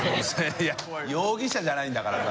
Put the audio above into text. いや容疑者じゃないんだからさ。